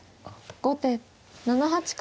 後手７八角。